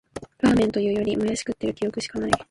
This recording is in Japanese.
ラーメンというより、もやし食ってる記憶しかない